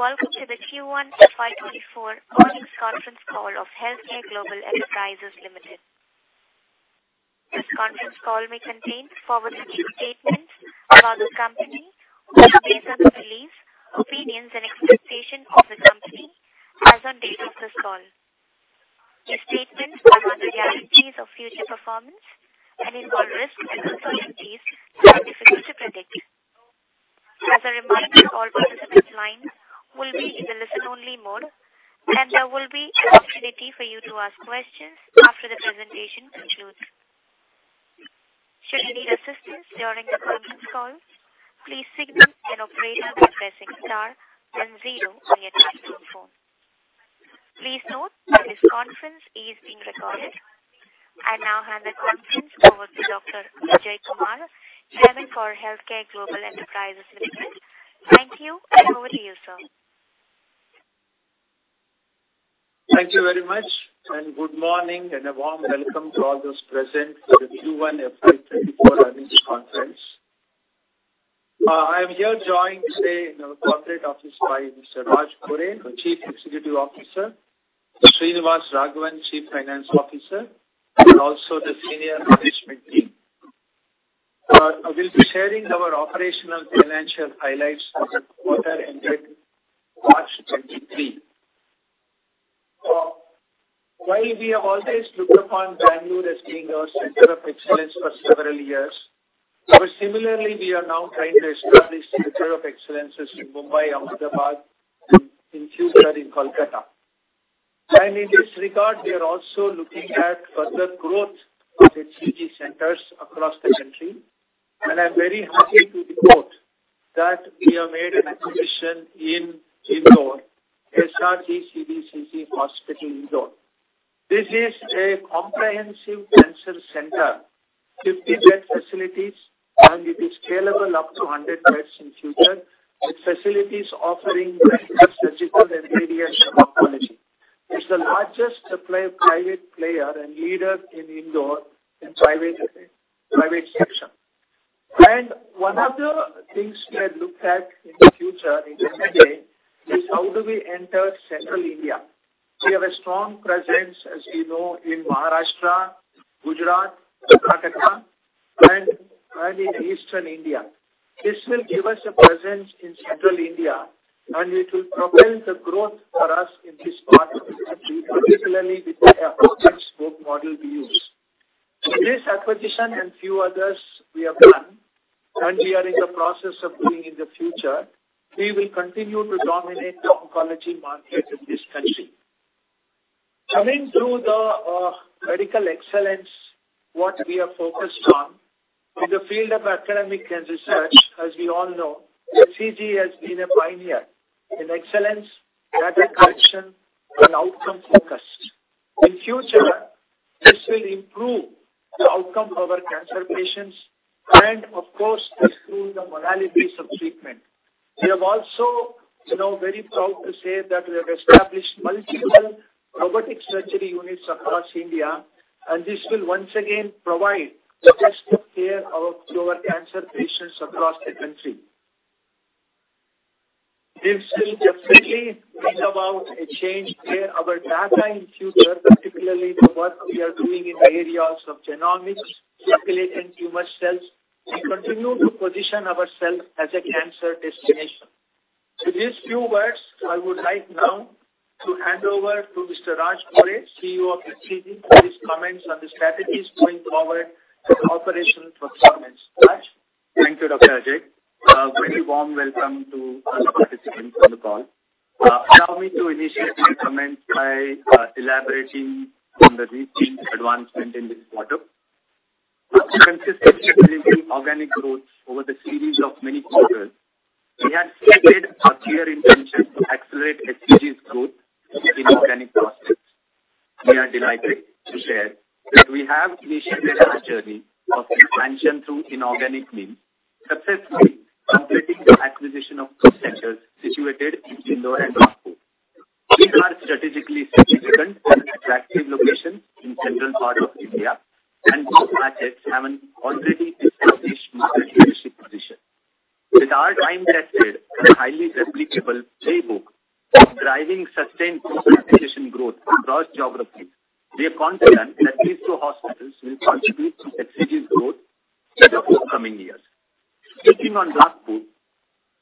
Good day, welcome to the Q1 FY24 earnings conference call of HealthCare Global Enterprises Limited. This conference call may contain forward-looking statements about the company, which are based on the beliefs, opinions, and expectations of the company as on date of this call. These statements are not guarantees of future performance and involve risks and uncertainties that are difficult to predict. As a reminder, all participant lines will be in the listen-only mode, and there will be an opportunity for you to ask questions after the presentation concludes. Should you need assistance during the conference call, please signal an operator by pressing star then 0 on your telephone. Please note that this conference is being recorded. I now hand the conference over to Dr. Ajay Kumar, Chairman for HealthCare Global Enterprises Limited. Thank you, over to you, sir. Thank you very much, good morning, and a warm welcome to all those present for the Q1 FY24 earnings conference. I am here joined today in our corporate office by Mr. Raj Gore, the Chief Executive Officer, Srinivasa Raghavan, Chief Financial Officer, and also the senior management team. We'll be sharing our operational financial highlights for the quarter ended March 2023. While we have always looked upon Bangalore as being our center of excellence for several years, similarly, we are now trying to establish center of excellences in Mumbai, Ahmedabad, and in future in Kolkata. In this regard, we are also looking at further growth of HCG centers across the country, and I'm very happy to report that we have made an acquisition in Indore, SRJ CBCC Hospital, Indore. This is a comprehensive cancer center, 50 bed facilities, and it is scalable up to 100 beds in future, with facilities offering both surgical and radiation oncology. It's the largest private player and leader in Indore in private, private section. One of the things we have looked at in the future, in the near day, is how do we enter Central India? We have a strong presence, as you know, in Maharashtra, Gujarat, Karnataka, and in Eastern India. This will give us a presence in Central India, and it will propel the growth for us in this part of the country, particularly with the approach scope model we use. This acquisition and few others we have done, and we are in the process of doing in the future, we will continue to dominate the oncology market in this country. Coming to the medical excellence, what we are focused on in the field of academic and research, as we all know, HCG has been a pioneer in excellence, data collection, and outcome focus. In future, this will improve the outcome of our cancer patients, and of course, improve the modalities of treatment. We are also, you know, very proud to say that we have established multiple robotic surgery units across India, and this will once again provide the best of care of our cancer patients across the country. This will definitely bring about a change in our data in future, particularly the work we are doing in the areas of genomics, circulating tumor cells, and continue to position ourselves as a cancer destination. With these few words, I would like now to hand over to Mr. Raj Gore, CEO of HCG, for his comments on the strategies going forward and operational performance. Raj? Thank you, Dr. Ajay. A very warm welcome to all participants on the call. Allow me to initially comment by elaborating on the recent advancement in this quarter. To consistently deliver organic growth over the series of many quarters, we had stated our clear intention to accelerate HCG's growth in organic process. We are delighted to share that we have initiated our journey of expansion through inorganic means, successfully completing the acquisition of two centers situated in Indore and Nagpur. These are strategically significant and attractive locations in central part of India, and both projects have an already established market leadership position. With our time tested and highly replicable playbook, driving sustained acquisition growth across geographies, we are confident that these two hospitals will contribute to HCG's growth in the forthcoming years. Switching on Nagpur,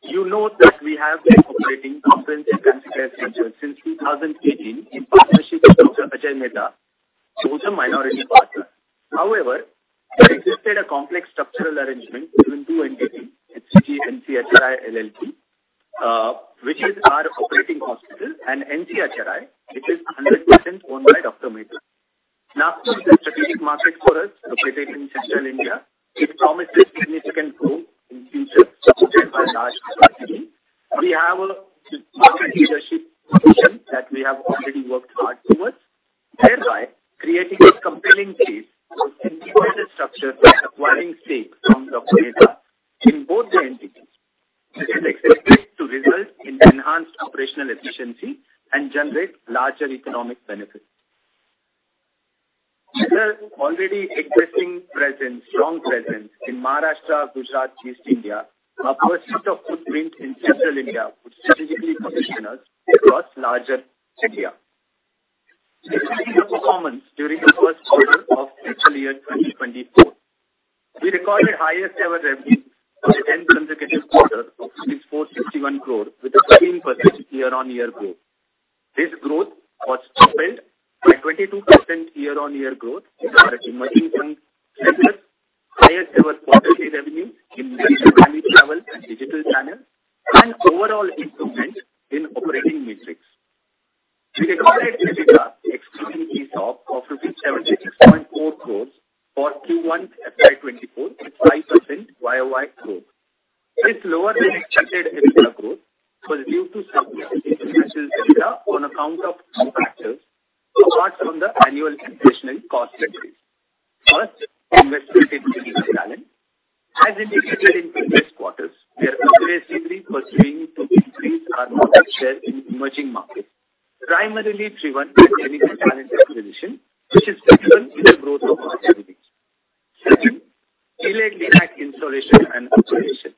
you know that we have been operating comprehensive cancer care center since 2018 in partnership with Dr. Ajay Mehta, who is a minority partner. There existed a complex structural arrangement between two entities, HCG NCHRI LLP, which is our operating hospital, and NCHRI, which is 100% owned by Dr. Mehta. Nagpur is a strategic market for us, located in Central India. It promises significant growth in future, supported by large strategy. We have a market leadership position that we have already worked hard towards, thereby creating a compelling case for integrated structure by acquiring stakes from Dr. Mehta in both the entities. This is expected to result in enhanced operational efficiency and generate larger economic benefits. With our already existing presence, strong presence in Maharashtra, Gujarat, East India, our first set of footprint in Central India would strategically position us across larger India. We see the performance during the first quarter of fiscal year 2024. We recorded highest ever revenue for the 10th consecutive quarter of 461 crore with a 13% year-on-year growth. This growth was propelled by 22% year-on-year growth in our emerging fund centers, highest ever quarterly revenue in digital travel and digital channel, and overall improvement in operating metrics. We recorded EBITDA excluding ESOP of INR 76.4 crore for Q1 FY24, with 5% YOY growth. This lower than expected EBITDA growth was due to some special data on account of 2 factors, apart from the annual additional cost increase. First, investment in digital talent. As indicated in previous quarters, we are aggressively pursuing to increase our market share in emerging markets, primarily driven by digital talent acquisition, which is visible in the growth of our services. Second, delayed LINAC installation and operation.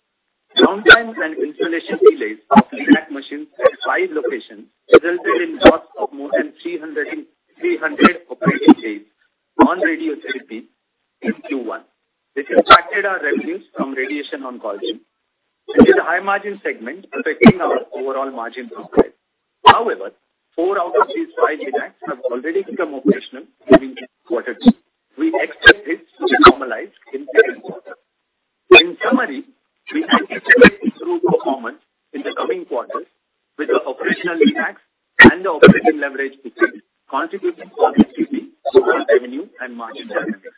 Downtime and installation delays of LINAC machines at 5 locations resulted in loss of more than 300 and 300 operating days on radiotherapy in Q1, which impacted our revenues from radiation oncology. This is a high-margin segment, affecting our overall margin profile. However, 4 out of these 5 LINACs have already become operational during Q2. We expect it to be normalized in Q3. In summary, we are expecting through performance in the coming quarters with the operational impacts and the operating leverage between contributing positively to our revenue and margin dynamics.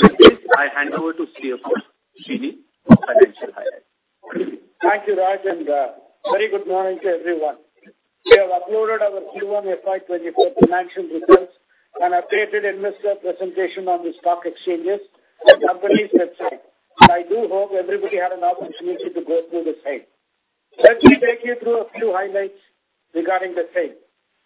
With this, I hand over to Srinivasa Raghavan for financial highlights. Thank you, Raj. Very good morning to everyone. We have uploaded our Q1 FY24 financial results and updated investor presentation on the stock exchanges and company's website. I do hope everybody had an opportunity to go through the same. Let me take you through a few highlights regarding the same.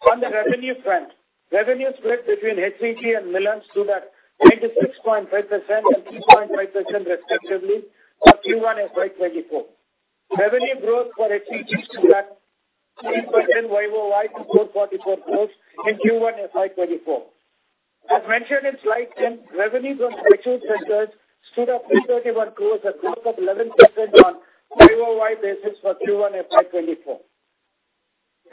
On the revenue front, revenue split between HCG and Milann stood at 86.5% and 2.5% respectively for Q1 FY24. Revenue growth for HCG stood at 3% YOY to INR 444 crore in Q1 FY24. As mentioned in slide 10, revenues from virtual centers stood at 31 crore, a growth of 11% on YOY basis for Q1 FY24.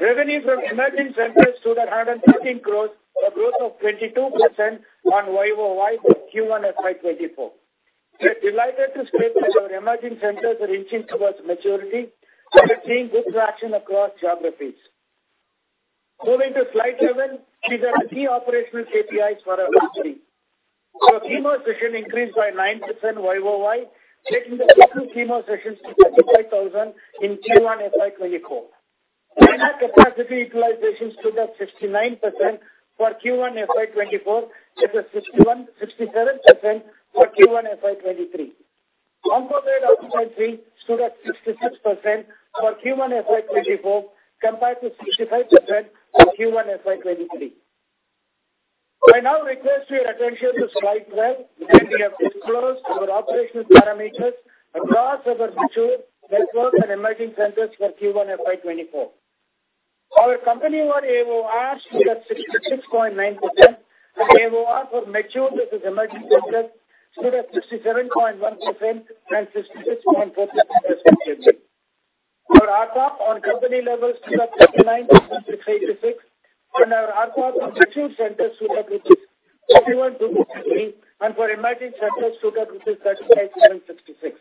Revenues from emerging centers stood at 113 crore, a growth of 22% on YOY for Q1 FY24. We're delighted to state that our emerging centers are inching towards maturity and are seeing good traction across geographies. Moving to slide 7, these are the key operational KPIs for our HCG. Chemo session increased by 9% YOY, taking the total chemo sessions to 35,000 in Q1 FY24. Our capacity utilization stood at 69% for Q1 FY24, which was 61%, 67% for Q1 FY23. Composite occupancy stood at 66% for Q1 FY24, compared to 65% for Q1 FY23. I now request your attention to slide 12, where we have disclosed our operational parameters across our virtual networks and emerging centers for Q1 FY24. Our company-wide AOR stood at 66.9%, and AOR for mature versus emerging centers stood at 67.1% and 66.4%, respectively. Our ARPA on company level stood at 99.86, and our ARPA for virtual centers stood at 51.3, and for emerging centers stood at 35.66.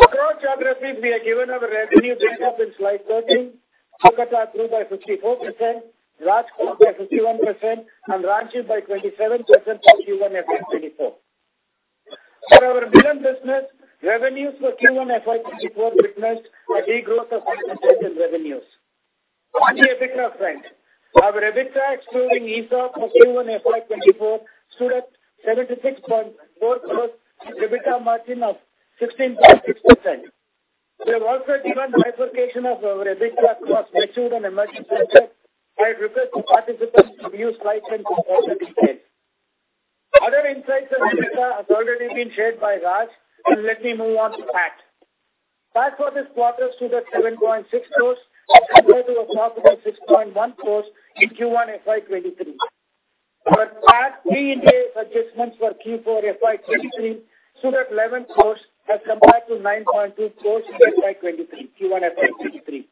Across geographies, we have given our revenue breakdown in slide 13. Kolkata grew by 54%, Rajkot by 51%, and Ranchi by 27% for Q1 FY24. For our Milann business, revenues for Q1 FY24 witnessed a degrowth of 8% in revenues. On the EBITDA front, our EBITDA excluding ESOP for Q1 FY24 stood at INR 76.4 crore, EBITDA margin of 16.6%. We have also given the bifurcation of our EBITDA across virtual and emerging centers. I request the participants to view slide 10 for further details. Other insights on EBITDA has already been shared by Raj, and let me move on to PAT. PAT for this quarter stood at 7.6 crore, as compared to approximately 6.1 crore in Q1 FY23. Our PAT pre-Ind AS adjustments for Q4 FY23 stood at INR 11 crore as compared to INR 9.2 crore in FY23, Q1 FY23.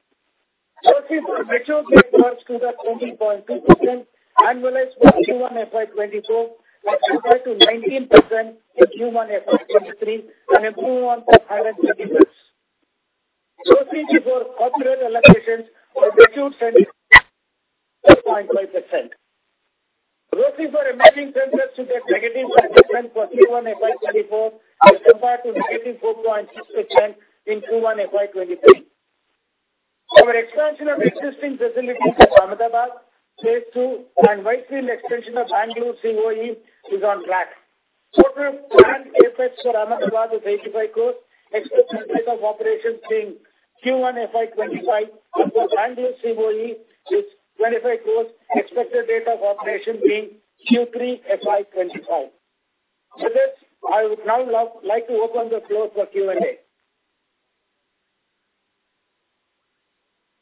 Growth in our virtual networks stood at 20.2%, annualized for Q1 FY24, as compared to 19% in Q1 FY23, an improvement for higher believers. Growth before corporate allocations for virtual centers, 4.5%. Growth for emerging centers stood at -5% for Q1 FY24, as compared to -4.6% in Q1 FY23. Our expansion of existing facilities in Ahmedabad, phase II, and Whitefield extension of Bangalore COE is on track.... of operation being Q1 FY25. Bangalore COE is 25 growth, expected date of operation being Q3 FY25. With this, I would now like to open the floor for Q&A.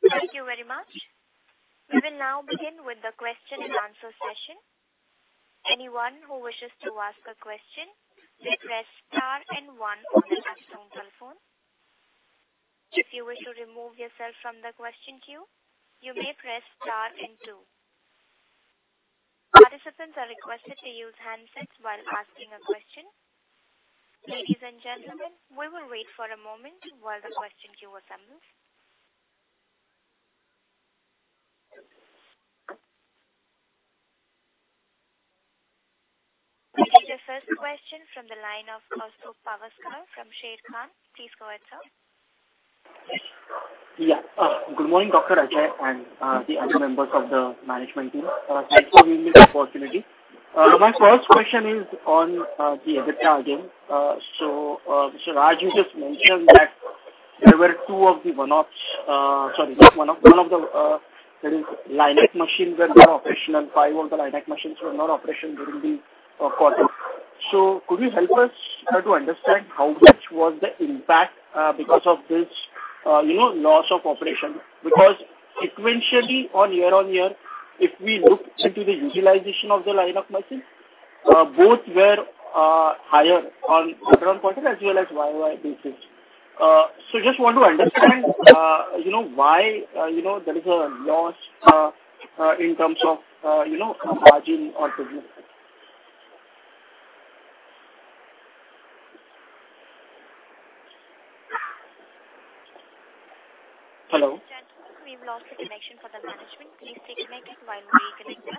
Thank you very much. We will now begin with the question and answer session. Anyone who wishes to ask a question, may press star and one on their telephone. If you wish to remove yourself from the question queue, you may press star and two. Participants are requested to use handsets while asking a question. Ladies and gentlemen, we will wait for a moment while the question queue assembles. We'll take the first question from the line of Kaustubh Pawaskar from Sharekhan. Please go ahead, sir. Yeah. Good morning, Dr. Ajay, the other members of the management team. Thank you for giving me the opportunity. My first question is on the EBITDA again. Raj, you just mentioned that there were two of the one-offs, sorry, not one-off, one of the, that is LINAC machine were not operational, 5 of the LINAC machines were not operational during the quarter. Could you help us to understand how much was the impact because of this, you know, loss of operation? Sequentially on year-on-year, if we look into the utilization of the LINAC machine, both were higher on quarter-on-quarter as well as YOY basis. Just want to understand, you know, why, you know, there is a loss, in terms of, you know, margin or business? Hello? Gentlemen, we've lost the connection for the management. Please take a minute while we reconnect them. Ladies and gentlemen, thank you for holding the line. We've got the management and reconnected. Please go ahead, sir.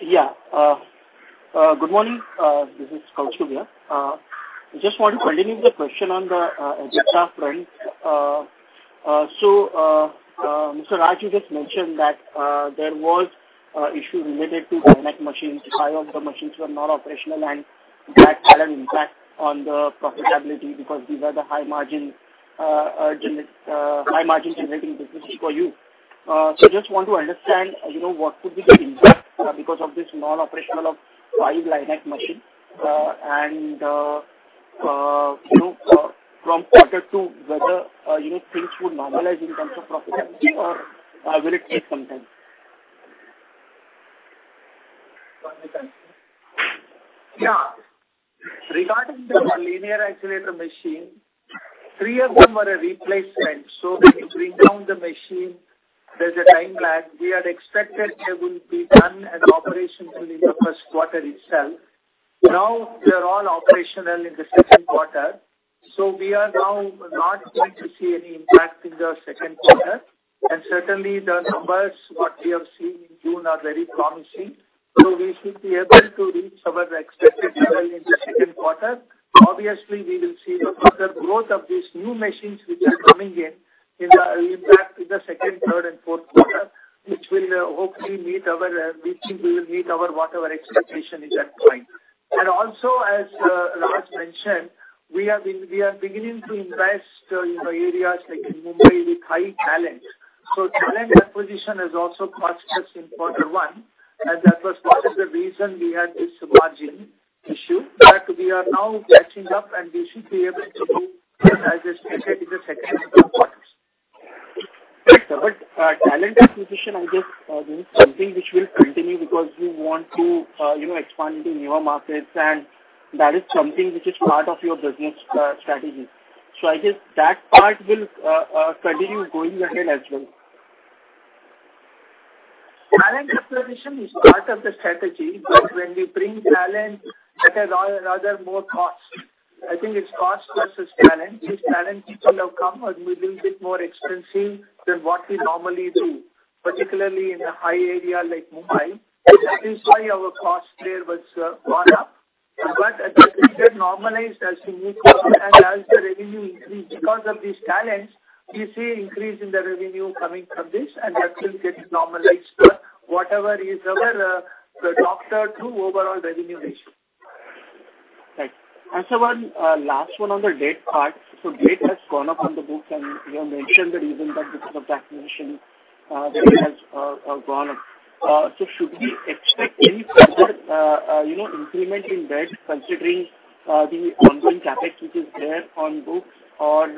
Yeah. Good morning. This is Kaustubh here. I just want to continue the question on the EBITDA front. Mr. Raj, you just mentioned that there was issue related to LINAC machines. Five of the machines were not operational, and that had an impact on the profitability because these are the high margin, gener- high margin generating businesses for you. Just want to understand, you know, what could be the impact because of this non-operational of five LINAC machines, and you know, from quarter to whether, you know, things would normalize in terms of profitability or, will it take some time? Yeah. Regarding the linear accelerator machine, 3 of them were a replacement, so when you bring down the machine, there's a time lag. We had expected they will be done and operational in the Q1 itself. Now, they are all operational in the Q2, so we are now not going to see any impact in the Q2. Certainly, the numbers, what we have seen in June, are very promising, so we should be able to reach our expected level in the Q2. Obviously, we will see the further growth of these new machines, which are coming in, in the, in fact, in the 2nd, 3rd, and Q4, which will hopefully meet our, we think we will meet our, whatever expectation is at point. Also, as Raj mentioned, we are beginning to invest in the areas like in Mumbai with high talent. Talent acquisition has also cost us in Q1, and that was part of the reason we had this margin issue. We are now catching up, and we should be able to move, as I stated, in the second and Q3. Talent acquisition, I guess, is something which will continue because you want to, you know, expand into newer markets, and that is something which is part of your business strategy. I guess that part will continue going ahead as well. Talent acquisition is part of the strategy, but when we bring talent, that is rather more cost. I think it's cost versus talent. These talent people have come a little bit more expensive than what we normally do, particularly in a high area like Mumbai, which is why our cost there was gone up. It get normalized as we move on and as the revenue increase. Because of this talent, we see increase in the revenue coming from this, and that will get normalized to whatever is our, the doctor to overall revenue ratio. Right. One last one on the debt part. Debt has gone up on the books, and you have mentioned the reason that because of the acquisition, debt has gone up. Should we expect any further, you know, increment in debt, considering the ongoing CapEx, which is there on books or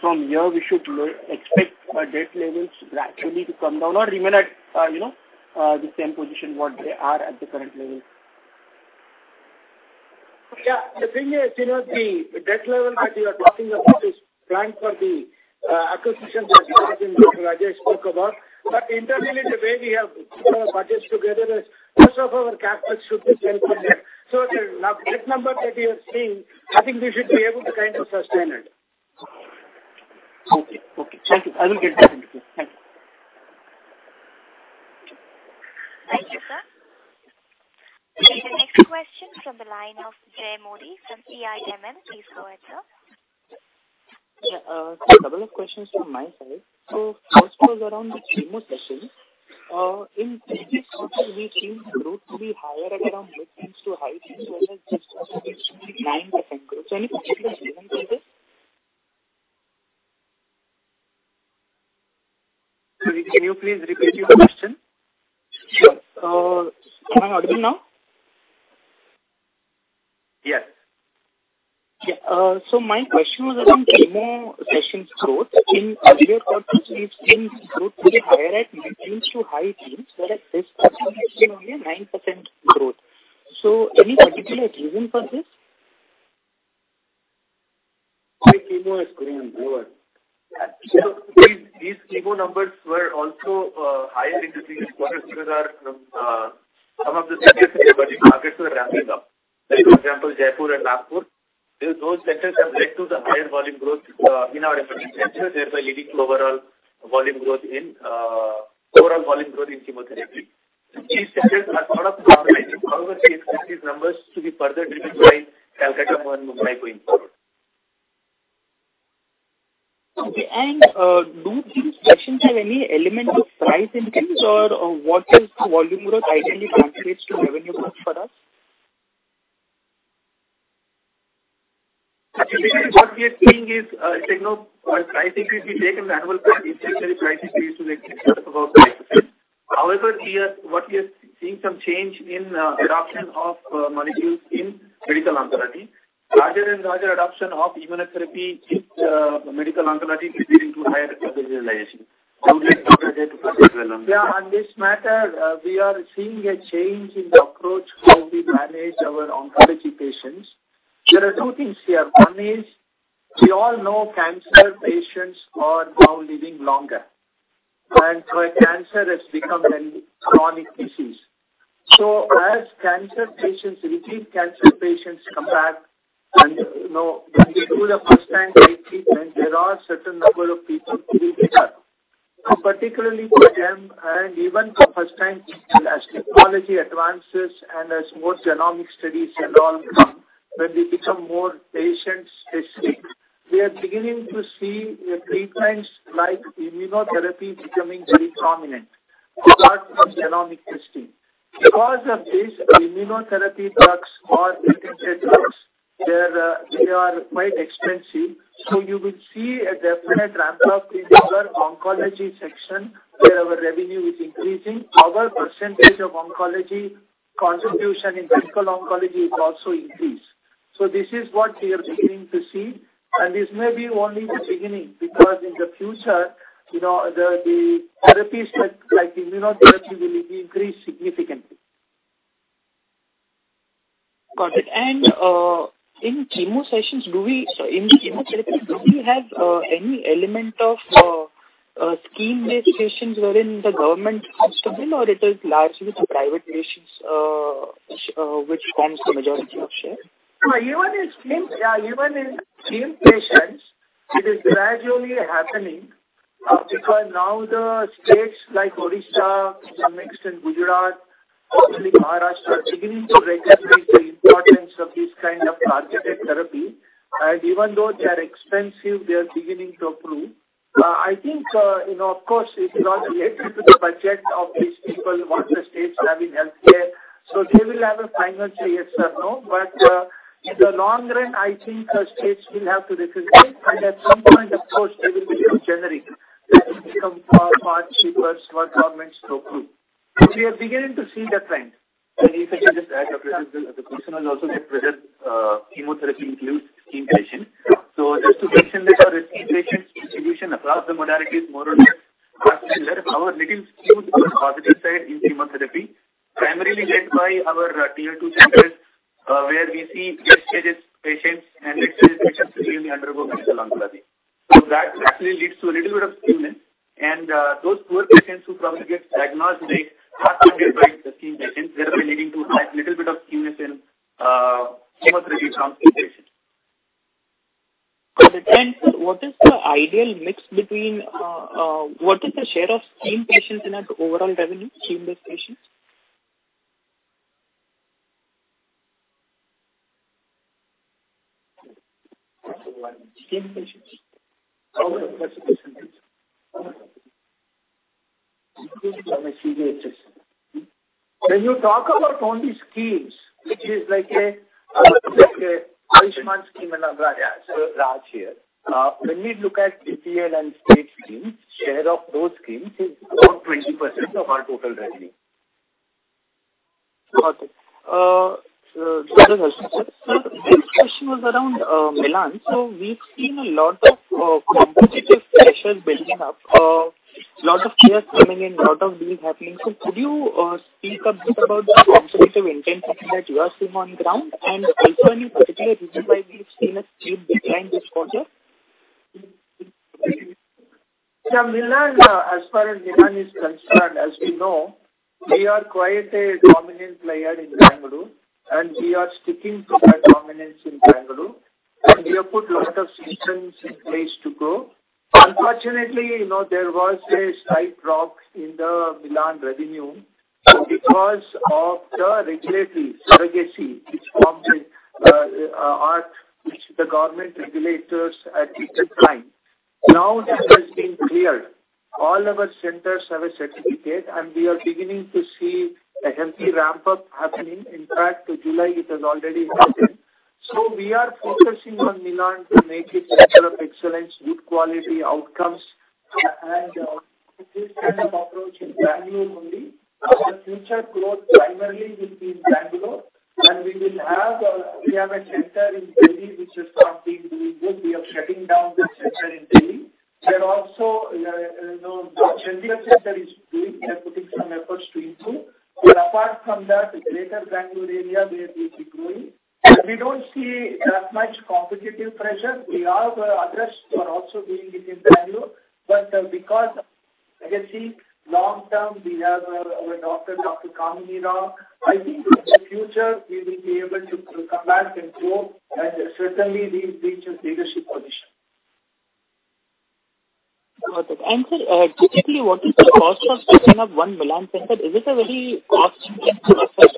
from here we should expect debt levels gradually to come down or remain at, you know, the same position what they are at the current level? Yeah. The thing is, you know, the debt level that you are talking about is planned for the acquisitions that Rajesh spoke about. Internally, the way we have budgets together is most of our CapEx should be paid for debt. The now debt number that you are seeing, I think we should be able to kind of sustain it. Okay. Okay, thank you. I will get back into you. Thank you. Thank you, sir. The next question from the line of Jay Modi from CIMB. Please go ahead, sir. Yeah, a couple of questions from my side. First was around the chemo session. In previous quarter, we see growth to be higher at around mid-teens to high-teens, whereas just only 9% growth. Any particular reason for this? Can you please repeat your question? Sure. Can I hear me now? Yes. Yeah, so my question was around chemo sessions growth. In earlier quarters, we've seen growth to be higher at mid-teens to high-teens, whereas this quarter it's only 9% growth. Any particular reason for this? My chemo is growing lower. Yeah. These, these chemo numbers were also higher in the previous quarters because our some of the sectors in emerging markets were ramping up. Like, for example, Jaipur and Nagpur. Those sectors have led to the higher volume growth in our emerging centers, thereby leading to overall volume growth in overall volume growth in chemotherapy. These sectors are sort of normalizing. However, we expect these numbers to be further driven by Calcutta and Mumbai going forward. Okay. Do these sessions have any element of price increase or what is the volume growth ideally translates to revenue growth for us? What we are seeing is techno pricing, if we take an annual, however, what we are seeing some change in adoption of molecules in medical oncology. Larger and larger adoption of immunotherapy in medical oncology is leading to higher revenue realization. Yeah, on this matter, we are seeing a change in the approach how we manage our oncology patients. There are two things here. One is, we all know cancer patients are now living longer, so cancer has become a chronic disease. As cancer patients, repeat cancer patients come back and, you know, when we do the first line of treatment, there are certain number of people who recover. Particularly for them and even for first time, as technology advances and as more genomic studies and all come, when we become more patient-specific, we are beginning to see the treatments like immunotherapy becoming very prominent, apart from genomic testing. Because of this, immunotherapy drugs or you can say drugs, they're, they are quite expensive. You will see a definite ramp up in our oncology section, where our revenue is increasing. Our percentage of oncology contribution in medical oncology is also increased. This is what we are beginning to see, and this may be only the beginning, because in the future, you know, the, the therapies like, like immunotherapy, will increase significantly. Got it. In chemotherapy, do we have any element of scheme-based patients wherein the government comes to bill or it is largely the private patients which forms the majority of share? Even in scheme, yeah, even in scheme patients, it is gradually happening because now the states like Odisha, some extent Gujarat, also Maharashtra, are beginning to recognize the importance of this kind of targeted therapy. Even though they are expensive, they are beginning to approve. I think, you know, of course, it all relates to the budget of these people, what the states have in healthcare. They will have a final say, yes or no. In the long run, I think the states will have to recognize, and at some point, of course, they will become generic. They will become far, far cheaper for governments to approve. We are beginning to see that trend. If I can just add, the personal also get present, chemotherapy includes scheme patients. Just to mention that our scheme patients distribution across the modalities more or less are similar. However, little skew to the positive side in chemotherapy, primarily led by our tier two centers, where we see late-stage patients, and late-stage patients really undergo medical oncology. That actually leads to a little bit of skewness. Those poor patients who probably get diagnosed late, are covered by the scheme patients, thereby leading to that little bit of skewness in chemotherapy translation. What is the ideal mix between, what is the share of scheme patients in our overall revenue, scheme-based patients? Scheme patients. Okay, that's a question, right?... When you talk about only schemes, which is like a, like a scheme in Agra. Raj here, when we look at DPL and state schemes, share of those schemes is about 20% of our total revenue. Okay. Sir, next question was around Milann. We've seen a lot of competitive pressure building up, lots of players coming in, a lot of deals happening. Could you speak a bit about the competitive intensity that you are seeing on the ground, and also any particular reason why we've seen a steep decline this quarter? Yeah, Milann, as far as Milann is concerned, as we know, we are quite a dominant player in Bangalore, and we are sticking to that dominance in Bangalore. We have put a lot of systems in place to grow. Unfortunately, you know, there was a slight drop in the Milann revenue because of the regulatory surrogacy, which forms a, art, which the government regulators at the time. This has been cleared. All our centers have a certificate, and we are beginning to see a healthy ramp-up happening. In fact, July, it has already happened. We are focusing on Milann to make it center of excellence, good quality outcomes, and this kind of approach in Bangalore only. Our future growth primarily will be in Bangalore, and we will have we have a center in Delhi, which has not been doing good. We are shutting down the center in Delhi. There also, you know, the gender center is doing... We are putting some efforts to improve. Apart from that, greater Bangalore area, we will be growing. We don't see that much competitive pressure. We have addressed for also being in Bangalore, but, because I can see long term, we have, our doctor, Dr. Kamini. I think in the future we will be able to come back and grow and certainly reach a leadership position. Got it. sir, typically, what is the cost of setting up one Milann center? Is it a very cost intensive process?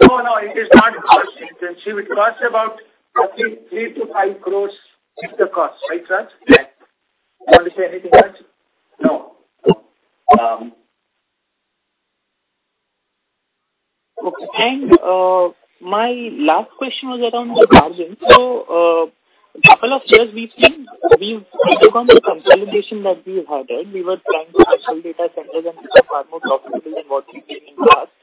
No, no, it is not cost intensive. It about, I think, INR three to five crore is the cost, right, Raj? Yes. You want to say anything, Raj? No. No. My last question was around the margin. A couple of years we've seen, we give on the consolidation that we have had, and we were trying to actual data centers and far more profitable than what we did in the past.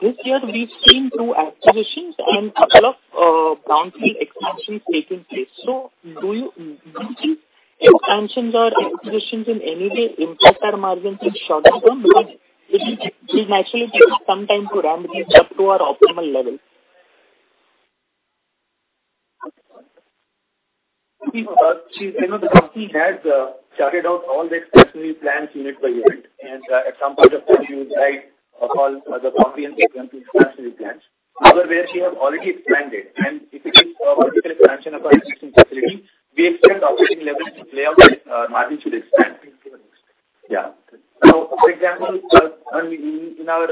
This year, we've seen 2 acquisitions and a couple of boundary expansions taking place. Do you, do you think expansions or acquisitions in any way impact our margin in short term, because it will naturally take some time to ramp these up to our optimal level? She, you know, the company has charted out all the expansion plans unit by unit. At some point of time, you're right, of all the company expansion plans. Other where she has already expanded, and if it is a vertical expansion of our existing facility, we expect operating levels to play out, margin should expand. Yeah. For example, in, in our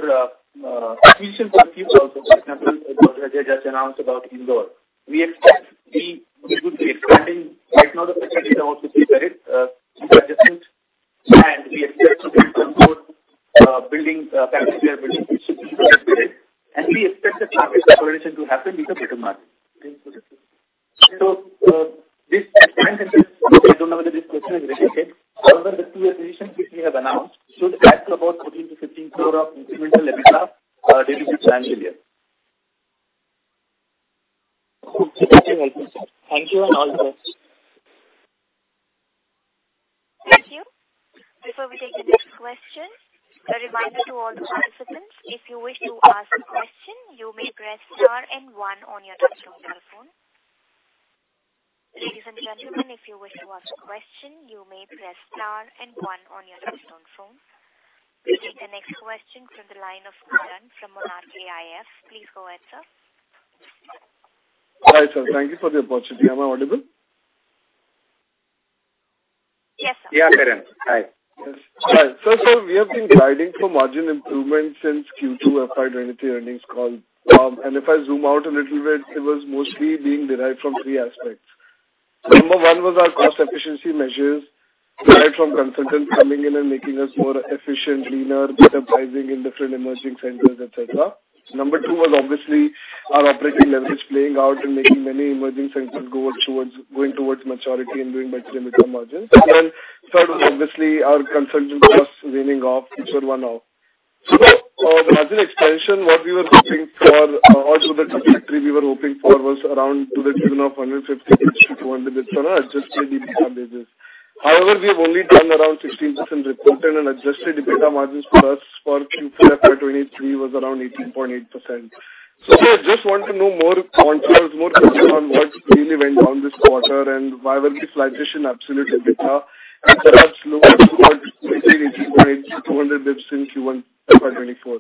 vision for the future also, for example, just announced about Indore. We expect we, we could be expanding. Right now, the data also prepared adjustment, and we expect to be building building, which should be expected. We expect the market operation to happen with a better margin. This expansion, I don't know whether this question is related. However, the two acquisitions which we have announced should add to about INR 14 to 15 crore of incremental EBITDA during the financial year. Thank you and all the best. Thank you. Before we take the next question, a reminder to all participants, if you wish to ask a question, you may press Star and one on your touchtone telephone. Ladies and gentlemen, if you wish to ask a question, you may press Star and one on your touchtone phone. We take the next question from the line of Karan from RKIF. Please go ahead, sir. Hi, sir. Thank you for the opportunity. Am I audible? Yes, sir. Yeah, Karan. Hi. Yes. Hi. Sir, we have been guiding for margin improvement since Q2 FY23 earnings call. If I zoom out a little bit, it was mostly being derived from 3 aspects. Number 1 was our cost efficiency measures, derived from consultants coming in and making us more efficient, leaner, better pricing in different emerging centers, et cetera. Number 2 was obviously our operating leverage playing out and making many emerging centers go towards, going towards maturity and doing much better margins. 3rd, obviously, our consultant costs weaning off each one now. The margin expansion, what we were hoping for, also the trajectory we were hoping for was around to the tune of 150 to 200 basis on adjusted EBITDA basis. We have only done around 16% reported and adjusted EBITDA margins for us for Q2 FY23 was around 18.8%. I just want to know more on, more detail on what really went down this quarter and why were the flatish in absolute EBITDA and perhaps lower to 200 basis in Q1 FY24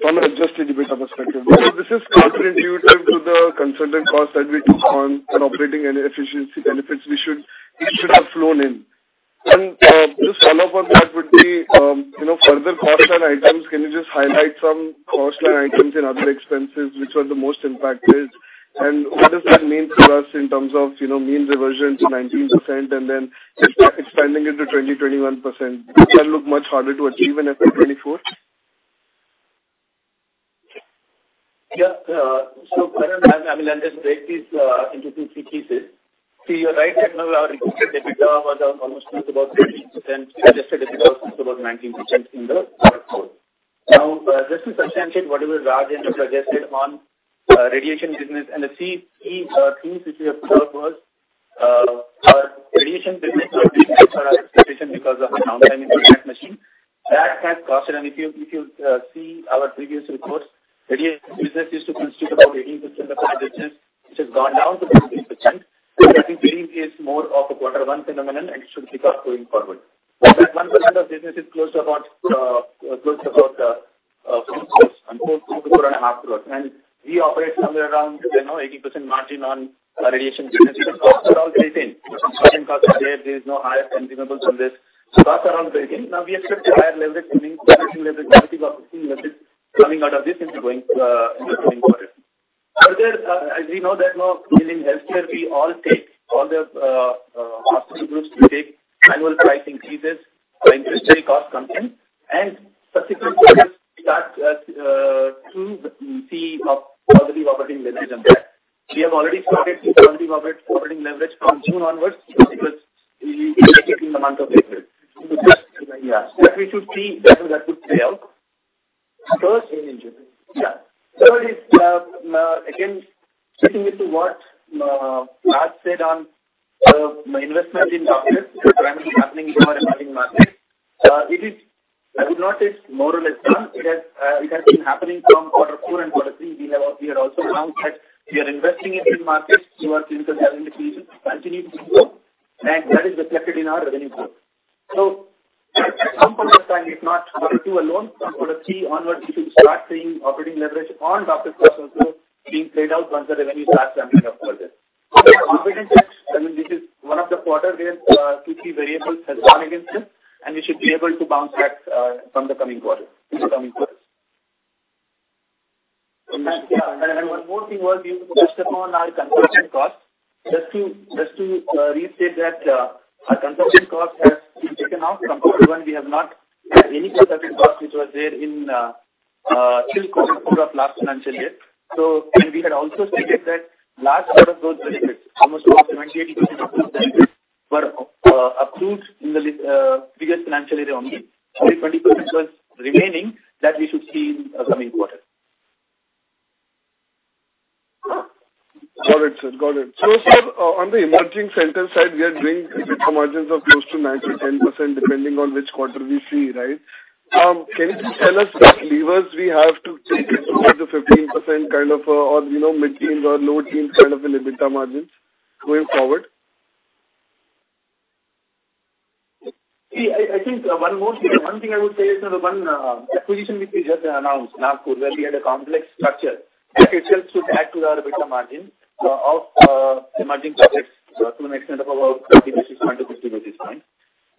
from an adjusted EBITDA perspective. This is partly due to the consultant costs that we took on and operating any efficiency benefits we should, it should have flown in. just follow up on this... Can you just highlight some cost line items and other expenses which were the most impacted? What does that mean for us in terms of, you know, mean reversion to 19% and then expanding it to 20%, 21%? Does that look much harder to achieve in FY24? Yeah, I mean, I'll just break this into two, three pieces. See, you're right, that now our EBITDA was almost about 13%, adjusted EBITDA was about 19% in the Q4. Just to substantiate what Rajendra suggested on radiation business, the three, three things which we observed was, our radiation business are efficient because of the machine. That has costed, if you, if you see our previous reports, radiation business used to constitute about 18% of our business, which has gone down to 10%. I think this is more of a quarter one phenomenon, it should keep up going forward. 1% of business is close to about, close to about, 4 crore and INR 4.5 crore. We operate somewhere around, you know, 80% margin on radiation business. It costs are all retained. Construction costs are there. There is no higher consumables on this. Costs are all breaking. Now, we expect a higher level of earnings, coming out of this into going into the coming quarter. Further, as we know that now in healthcare, we all take, all the hospital groups, we take annual price increases or interest rate cost content and subsequent start through the positive operating leverage on that. We have already started the positive operating leverage from June onwards, because we in the month of April. Yeah, that we should see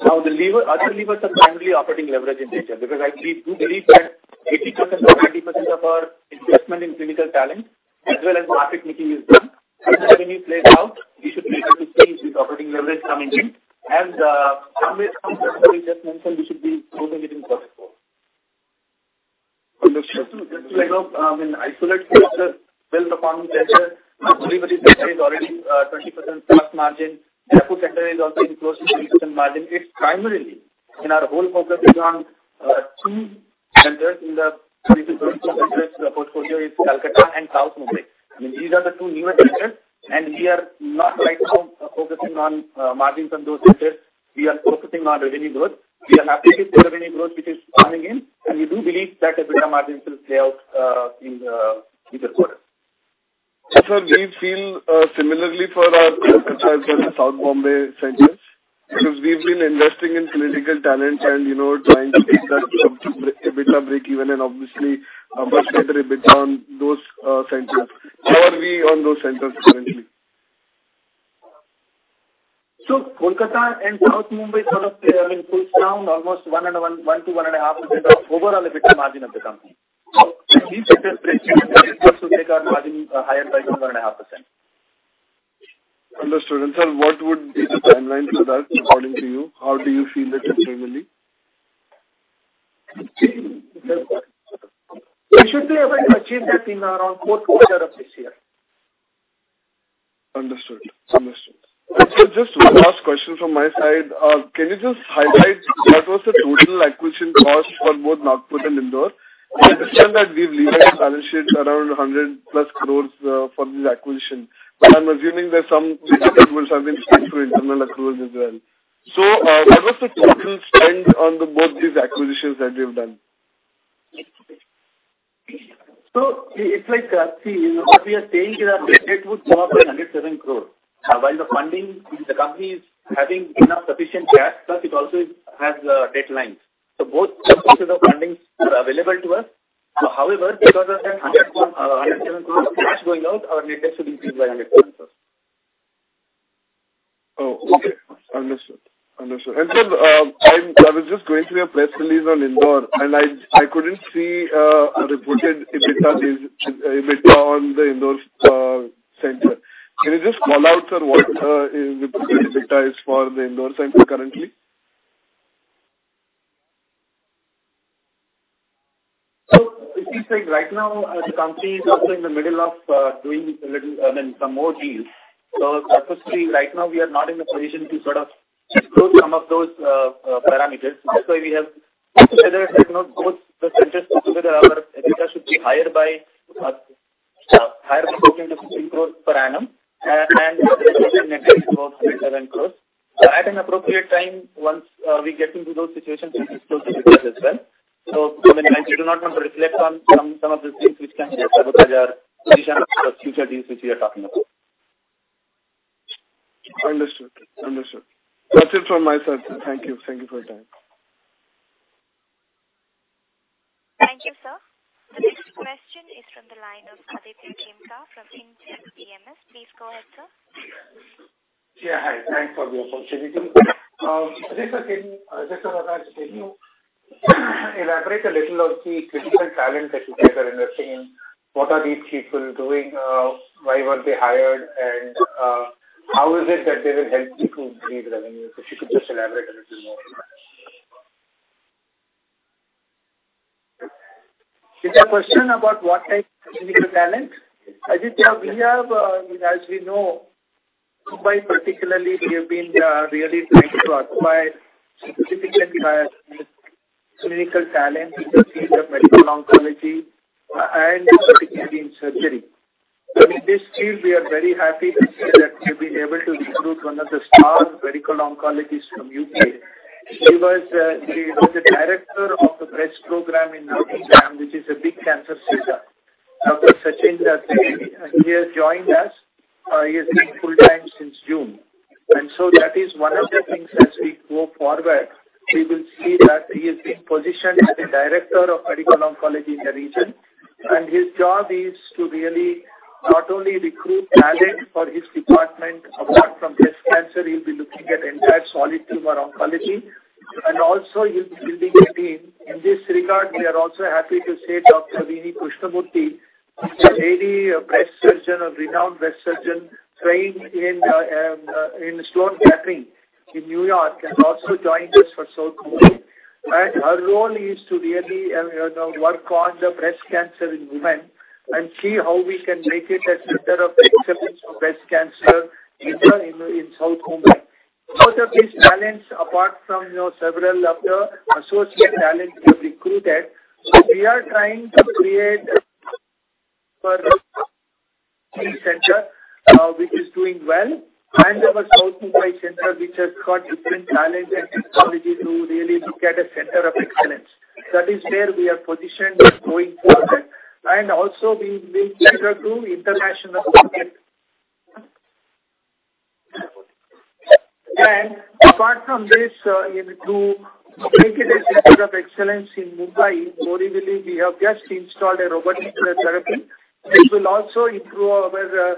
Now, the lever, other levers are primarily operating leverage in nature, because I do believe that 80% or 90% of our investment in clinical talent as well as market making is done. When the revenue plays out, we should be able to see this operating leverage coming in. Somewhere, somewhere we just mentioned, we should be closing it in Q4. Just to, just to, I know, I mean, isolate built upon center, is already 20%+ margin. Airport Center is also in close to 20% margin. It's primarily, and our whole focus is on, two centers in the portfolio is Kolkata and South Mumbai. I mean, these are the two newest centers, and we are not right now focusing on, margins on those centers. We are focusing on revenue growth. We are happy with the revenue growth, which is coming in, and we do believe that EBITDA margins will play out, in the quarter. We feel, similarly for our South Bombay centers, because we've been investing in clinical talent and, you know, trying to take that EBITDA break even and obviously, EBITDA on those, centers. Where are we on those centers currently? Kolkata and South Mumbai sort of, I mean, pulls down almost one and one, one to 1.5% of overall EBITDA margin of the company. These centers to make our margin higher by 1.5%. Understood. Sir, what would be the timeline for that, according to you? How do you feel that extremely? We should be able to achieve that in around Q4 of this year. Understood. Understood. Just one last question from my side. Can you just highlight what was the total acquisition cost for both Nagpur and Indore? I understand that we've leveraged around 100+ crore for this acquisition, but I'm assuming that some deliverables have been through internal accrual as well. What was the total spend on the both these acquisitions that you've done? It's like, see, you know, we are saying that our debt would go up to 107 crore, while the funding, the company is having enough sufficient cash, but it also has debt lines. Both sources of fundings are available to us. However, because of that 107 crore cash going out, our net debt should increase by 107 crore. Oh, okay. Understood, understood. Then I was just going through your press release on Indore, and I, I couldn't see a reported EBITDA is, EBITDA on the Indore center. Can you just call out on what is reported EBITDA is for the Indore center currently? It seems like right now, the company is also in the middle of doing a little, I mean, some more deals. Supposedly right now, we are not in a position to sort of disclose some of those parameters. That's why we have, you know, both the centers together, our EBITDA should be higher by INR 14 to 16 crore per annum, and net profit after tax INR 12.7 crore. At an appropriate time, once we get into those situations, we disclose the details as well. I mean, we do not want to reflect on some of the things which can be affected our position for future deals, which we are talking about. Understood. Understood. That's it from my side, sir. Thank you. Thank you for your time. Thank you, sir. The next question is from the line of Aditya Khemka from Finsec PMS. Please go ahead, sir. Yeah, hi. Thanks for the opportunity. Aditya, can you elaborate a little on the critical talent that you guys are investing in? What are these people doing? Why were they hired, and how is it that they will help you to create revenue? If you could just elaborate a little more. It's a question about what type of clinical talent? Aditya, we have, as we know, Mumbai, particularly, we have been really trying to acquire significant clinical talent in the field of medical oncology and particularly in surgery. In this field, we are very happy to see that we've been able to recruit one of the star medical oncologists from UK. She was, she was the director of the breast program in London, which is a big cancer center. Dr. Sachin, he has joined us, he has been full-time since June. That is one of the things as we go forward, we will see that he has been positioned as a director of medical oncology in the region. His job is to really not only recruit talent for his department, apart from breast cancer, he'll be looking at entire solid tumor oncology, and also he'll be building a team. In this regard, we are also happy to say Dr. Vini Krishnamurthy, a lady, a breast surgeon, a renowned breast surgeon, trained in Sloan Kettering in New York, and also joined us for South Mumbai. Her role is to really, you know, work on the breast cancer in women and see how we can make it a Center of Excellence for breast cancer here in South Mumbai. Both of these talents, apart from, you know, several of the associate talent we have recruited. We are trying to create per center, which is doing well, and our South Mumbai center, which has got different talent and technology to really look at a center of excellence. That is where we are positioned going forward, and also we will consider to international market. Apart from this, to make it a center of excellence in Mumbai, Borivali, we have just installed a robotic therapy. It will also improve our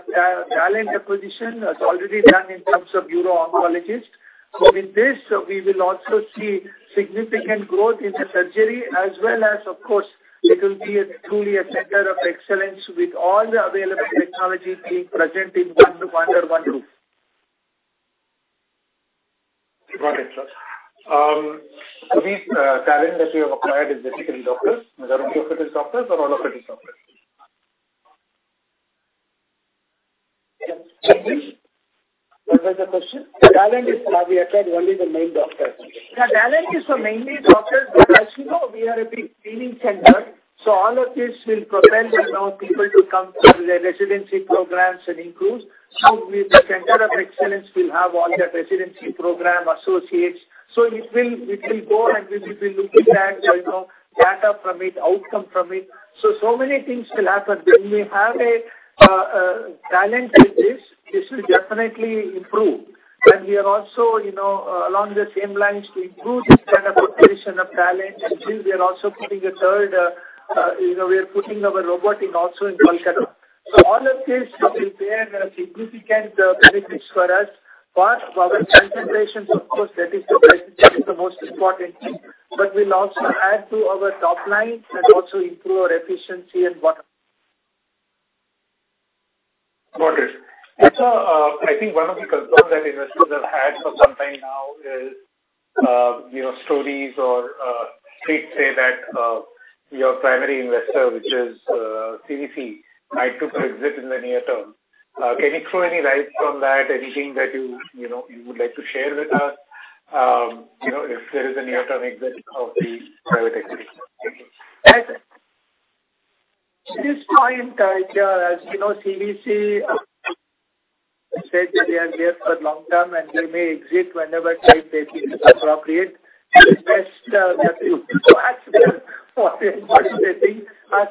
talent acquisition, as already done in terms of uro-oncologist. In this, we will also see significant growth in the surgery, as well as, of course, it will be a truly a center of excellence with all the available technology being present in one, under one roof. Got it, sir. these, talent that you have acquired is basically doctors, whether hospital doctors or allopathic doctors? What was the question? Talent is, we acquired only the main doctors. The talent is for mainly doctors, but as you know, we are a big healing center, so all of this will propel, you know, people to come to the residency programs and includes. The center of excellence will have all the residency program associates. It will, it will go and we will be looking at, you know, data from it, outcome from it. So many things will happen. When we have a talent like this, this will definitely improve. We are also, you know, along the same lines to improve this kind of rotation of talent. Since we are also putting a third, you know, we are putting our robotic also in Kolkata. All of this will bear significant benefits for us. For our concentrations, of course, that is the, that is the most important thing. We'll also add to our top line and also improve our efficiency and what. Got it. I think one of the concerns that investors have had for some time now is, you know, stories or streets say that your primary investor, which is CDC, might look to exit in the near term. Can you throw any light from that? Anything that you, you know, you would like to share with us, you know, if there is a near-term exit of the private equity? At this point, yeah, as you know, CDC said that they are here for long term, and they may exit whenever they feel is appropriate. As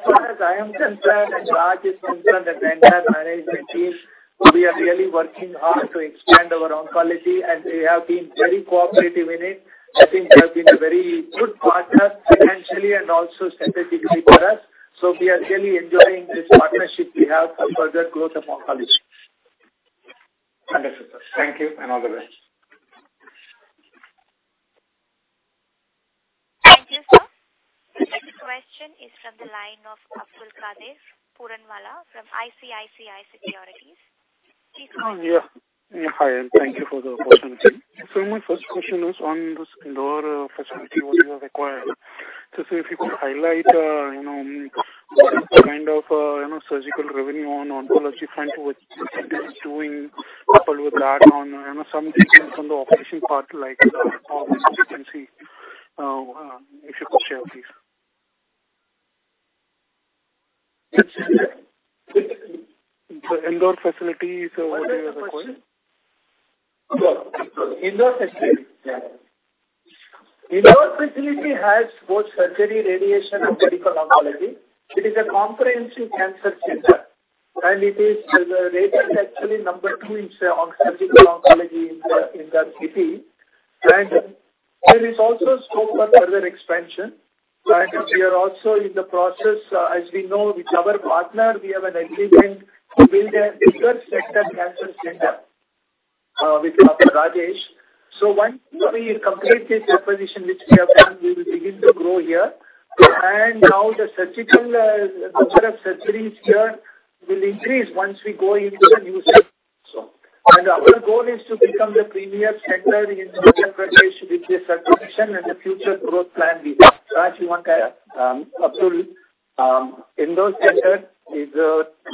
far as I am concerned, Raj is concerned, and the entire management team, we are really working hard to expand our oncology, and they have been very cooperative in it. I think they have been a very good partner financially and also strategically for us. We are really enjoying this partnership we have for further growth of oncology. Wonderful. Thank you and all the best. Thank you, sir. The next question is from the line of Abdulkader Puranwala from ICICI Securities. Please go ahead. Oh, yeah. Hi, and thank you for the opportunity. My first question is on this Indore facility, what is required? If you could highlight, you know, what kind of, you know, surgical revenue on oncology front, which it is doing coupled with that on, you know, some details on the operation part, like, consistency, if you could share, please. The Indore facility, what is required? Indore facility. Indore facility has both surgery, radiation, and medical oncology. It is a comprehensive cancer center, it is rated actually number 2 in surgical oncology in the, in that city. There is also scope for further expansion. We are also in the process, as we know with our partner, we have an agreement to build a bigger sector cancer center with Dr. Rajesh. Once we complete this acquisition, which we have done, we will begin to grow here. Now the surgical number of surgeries here will increase once we go into the new center. Our goal is to become the premier center in Central India with this acquisition and the future growth plan we have. Absolutely. Indore Center is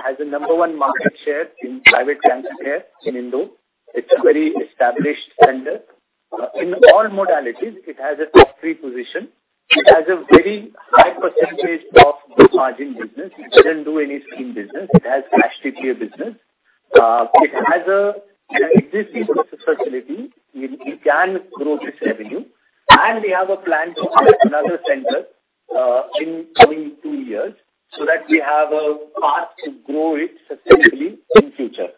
has a number 1 market share in private cancer care in Indore. It's a very established center. In all modalities, it has a top 3 position. It has a very high percentage of the margin business. It doesn't do any stream business. It has cash TP business. It has, it exists before the facility, it, it can grow this revenue, and we have a plan to open another center in coming 2 years so that we have a path to grow it successfully in future.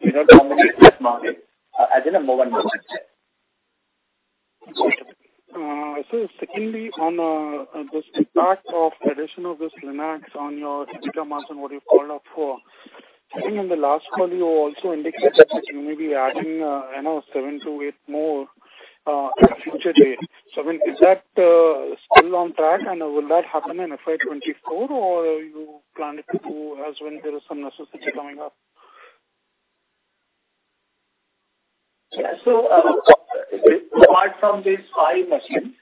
You know, dominate this market as in a number 1 market. Secondly, on the start of addition of this LINACs on your Sigma, and what you called out for, I think in the last call, you also indicated that you may be adding seven to eight more at a future date. Is that still on track, and will that happen in FY 2024, or you plan it to do as when there is some necessity coming up? Apart from these 5 machines,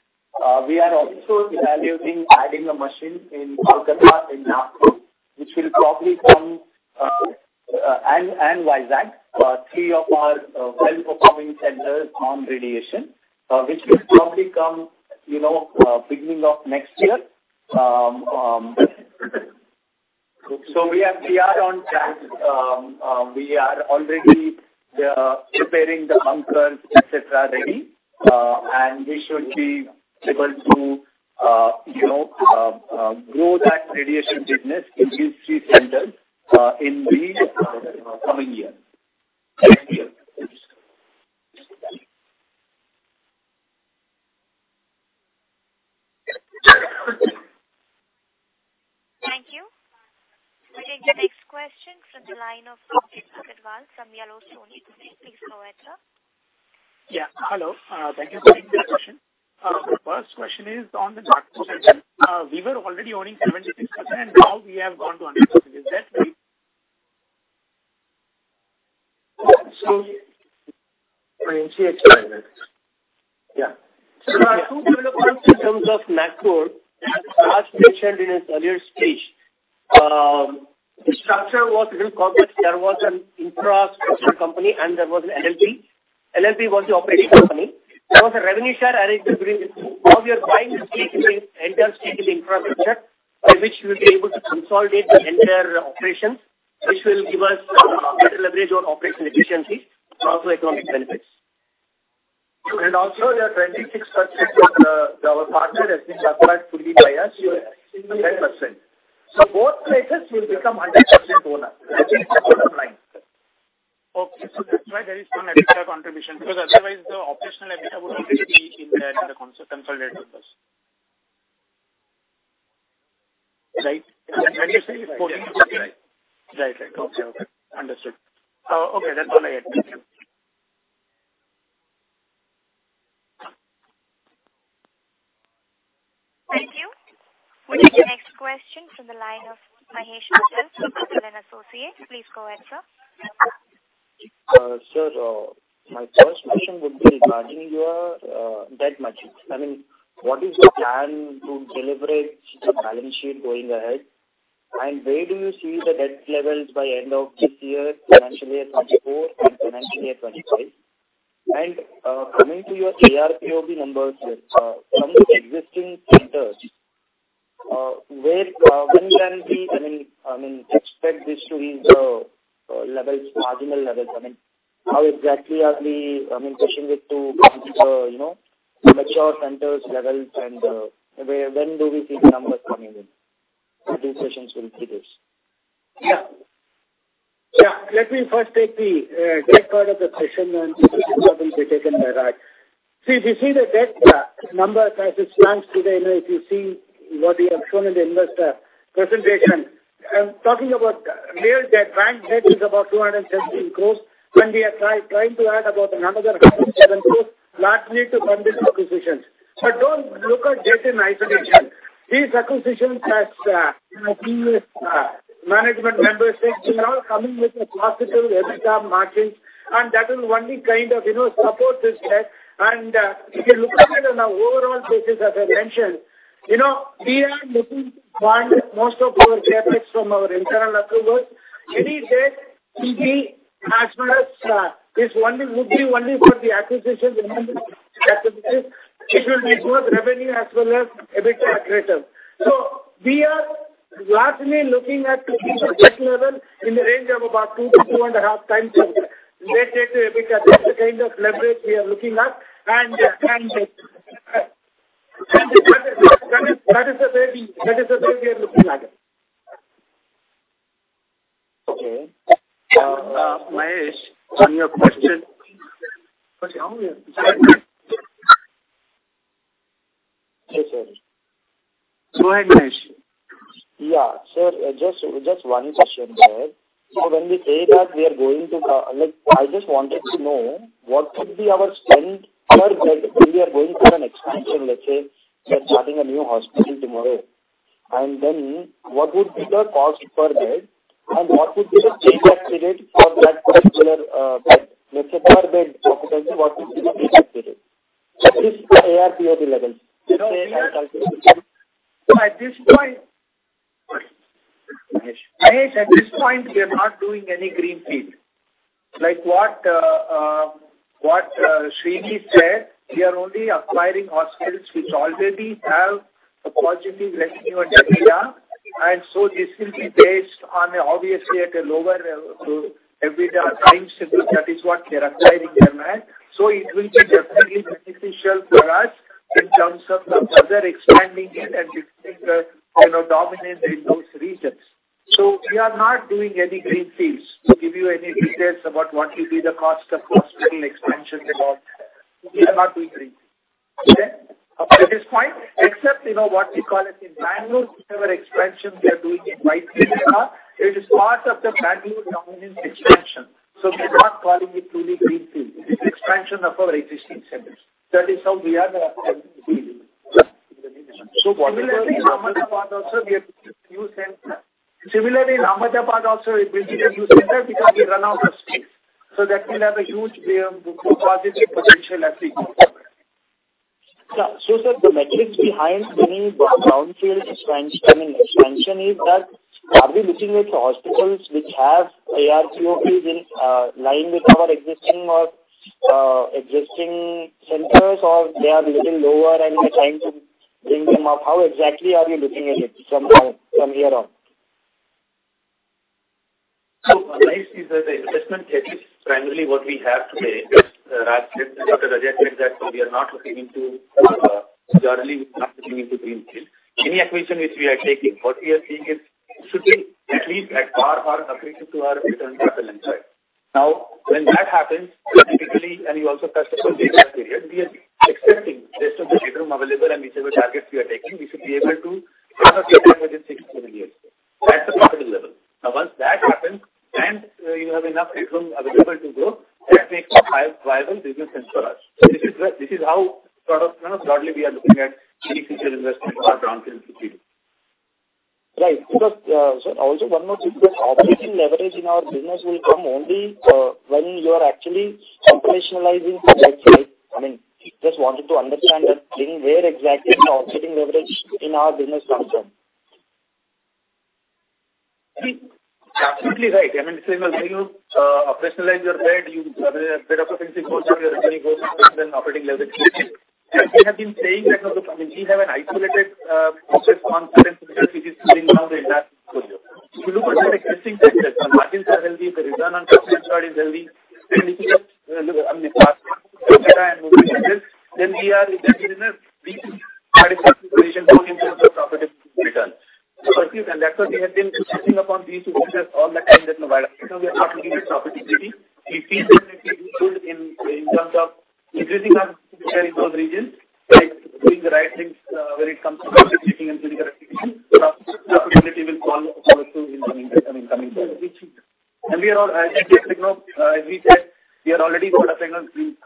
we are also evaluating adding a machine in Kolkata, in Nagpur, which will probably come, and Vizag, 3 of our well-performing centers on radiation, which will probably come, you know, beginning of next year. We are, we are on track. We are already preparing the bunkers, et cetera, ready, and we should be able to, you know, grow that radiation business in these 3 centers, in beginning of coming year. Next year. Thank you. Okay, the next question from the line of Deepak Agrawal from Yellowstone Investment. Please go ahead, sir. Yeah, hello. Thank you for the session. The first question is on the Nagpur center. We were already owning 76%, and now we have gone to 100%. Is that right? I see it, yeah. There are two developments in terms of Nagpur. As Raj mentioned in his earlier stage, the structure was little complex. There was an infrastructure company, and there was an LSB. LSB was the operating company. There was a revenue share arrangement. Now we are buying the stake in the entire stake in the infrastructure, by which we will be able to consolidate the entire operations, which will give us better leverage on operational efficiencies and also economic benefits. Also we are 26% of our partner, that is Jaipurat Purvi Paias, 10%. Both places will become 100% owner, which is bottom line. Okay, that's why there is some EBITDA contribution, because otherwise the operational EBITDA would already be in there in the consolidated with us. Right. That is 40. Right. Right. Okay. Okay. Understood. Okay, that's all I had. Thank you. Thank you. We take the next question from the line of Mitesh Shah from Kotak Associates. Please go ahead, sir. Sir, my first question would be regarding your debt margins. I mean, what is your plan to deleverage the balance sheet going ahead? Where do you see the debt levels by end of this year, financially at 2024 and financially at 2025? Coming to your ARPOB numbers from the existing centers, where, when can we, I mean, expect this to reach the levels, marginal levels? I mean, how exactly are we, I mean, pushing it to come to, you know, mature centers levels and where- when do we see the numbers coming in? These sessions will be this. Let me first take the debt part of the question and be taken by that. See, if you see the debt numbers as it stands today, you know, if you see what we have shown in the investor presentation, I'm talking about clear debt. Bank debt is about 217 crore, and we are trying to add about another 107 crore, largely to fund these acquisitions. Don't look at debt in isolation. These acquisitions, as, you know, senior management members said, we are all coming with a hospital EBITDA margins, and that will only kind of, you know, support this debt. If you look at it on an overall basis, as I mentioned, you know, we are looking to fund most of our CapEx from our internal accruals. Any debt will be as well as this one would be only for the acquisition, remember, acquisition. It will be both revenue as well as EBITDA accretion. We are largely looking at to keep the debt level in the range of about 2 to 2.5x the debt-to-EBITDA. That's the kind of leverage we are looking at, that is, that is the way that is the way we are looking at it. Okay. Mitesh, any question? Yes, sir. Go ahead, Mitesh. Yeah. Just, just one question, sir. When we say that we are going to... Like, I just wanted to know what would be our spend per bed when we are going for an expansion, let's say, we are starting a new hospital tomorrow, and then what would be the cost per bed, and what would be the payback period for that particular bed? Let's say, per bed occupancy, what would be the payback period? At least the ARPOB levels. At this point, Mahesh, at this point, we are not doing any greenfield. Like what Srini said, we are only acquiring hospitals which already have a positive revenue and EBITDA, and this will be based on obviously at a lower level to EBITDA times because that is what we are acquiring them at. It will be definitely beneficial for us in terms of further expanding it and increasing the, you know, dominance in those regions. We are not doing any greenfields. To give you any details about what will be the cost of hospital expansion about, we are not doing greenfield, okay? At this point, except, you know, what we call it in Bangalore, we have an expansion we are doing in Whitefield. It is part of the Bangalore dominance expansion. We are not calling it truly greenfield. It is expansion of our existing centers. That is how we are expanding. Similarly, Ahmedabad also, we have a new center. Similarly, in Ahmedabad also, it will be a new center because we run out of space. That will have a huge, positive potential as we go. Yeah. Sir, the metrics behind winning the brownfield expansion, I mean expansion is that, are we looking at hospitals which have ARPOB been in line with our existing or existing centers, or they are little lower and we're trying to bring them up? How exactly are we looking at it from now, from here on? Mahesh, the investment thesis, primarily what we have today, as Raj said, Dr. Rajendra said, that we are not looking into generally not looking into greenfield. Any acquisition which we are taking, what we are seeing is should be at least at par or compared to our return capital inside. Now, when that happens, typically, and you also touched upon the payback period, we are expecting based on the headroom available and whichever targets we are taking, we should be able to within 6-7 years. That's the profitable level. Now, once that happens and you have enough headroom available to grow, that makes a high viable business sense for us. This is how sort of, you know, broadly we are looking at any future investment or brownfield to field. Right. Sir, also one more thing, because operating leverage in our business will come only when you are actually operationalizing projects, right? I mean, just wanted to understand that thing, where exactly the operating leverage in our business comes from. Absolutely right. I mean, when you operationalize your bed, you have a bit of a offensive portion of your revenue goes up, operating leverage comes in. We have been saying that, I mean, we have an isolated success on certain centers, which is doing now the entire portfolio. If you look at our existing centers, the margins are healthy, the return on investment is healthy, and if you look, I mean, the past EBITDA and operation results, we are in a very good position to improve the profitable returns. That's what we have been sitting upon these 2 centers all the time that, you know, we are not looking at profitability. We feel that we can do good in, in terms of increasing our share in those regions, doing the right things, when it comes to and clinical execution. Profitability will follow, follow through in coming, I mean, coming forward. We are, as we said, we are already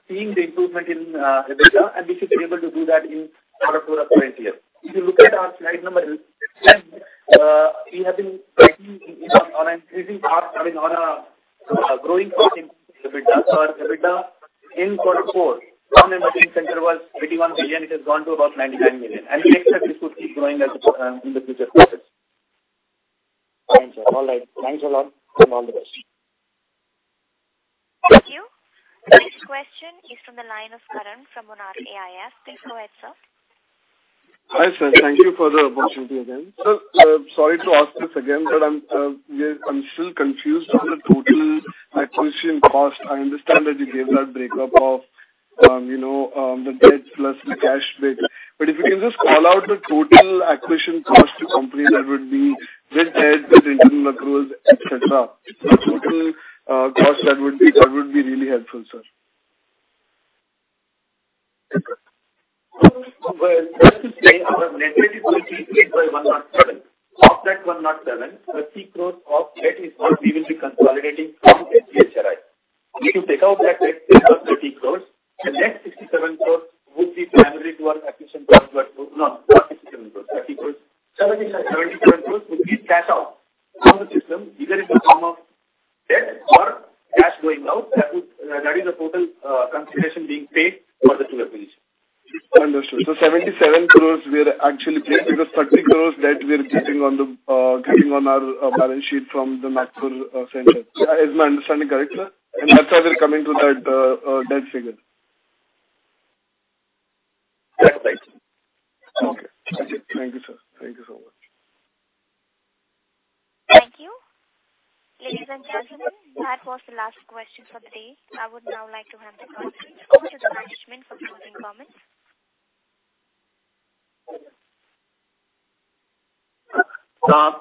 seeing the improvement in EBITDA, and we should be able to do that in Q4 of the current year. If you look at our slide number 10, we have been working on an increasing path, I mean, on a growing path in EBITDA. Our EBITDA in Q4, one emergency center was INR 81 million, it has gone to about INR 99 million. We expect this to keep growing as the program in the future quarters. Thanks, sir. All right. Thanks a lot, and all the best. Thank you. Next question is from the line of Karan from Monarch AIF. Please go ahead, sir. Hi, sir. Thank you for the opportunity again. Sir, sorry to ask this again, I'm, yeah, I'm still confused on the total acquisition cost. I understand that you gave that breakup of, you know, the debt plus the cash bit. If you can just call out the total acquisition cost to complete, that would be with debt, the uncertain, et cetera. The total cost, that would be, that would be really helpful, sir. Well, just to say, our net debt is going to be 3,107 crore. Of that INR 107 crore, INR 30 crore of debt is what we will be consolidating from NCHRI. If you take out that debt of 30 crore, the net 67 crore would be primarily to our acquisition plus... No, not 67 crore, 30 crore. 77 crore would be cash out of the system, either in the form of debt or cash going out. That is the total consideration being paid for the 2 acquisitions. Understood. 77 crore, we are actually paying, because 30 crore debt we are getting on our balance sheet from the Nagpur center. Is my understanding correct, sir, that's why we're coming to that debt figure? That's right. Okay. Thank you, sir. Thank you so much. Thank you. Ladies and gentlemen, that was the last question for the day. I would now like to hand the conference over to the management for closing comments.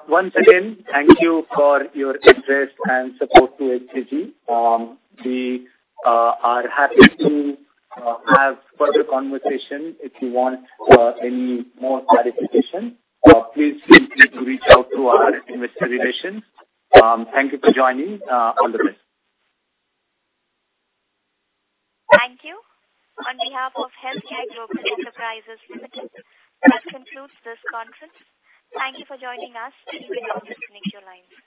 Once again, thank you for your interest and support to HCG. We are happy to have further conversation. If you want any more clarification, please feel free to reach out to our investor relations. Thank you for joining. All the best. Thank you. On behalf of HealthCare Global Enterprises Limited, that concludes this conference. Thank you for joining us. You may now disconnect your lines.